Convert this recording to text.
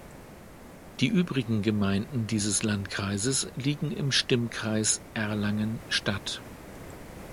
Die übrigen Gemeinden dieses Landkreises liegen im Stimmkreis Erlangen-Stadt.